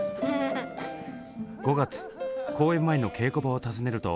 ５月公演前の稽古場を訪ねると。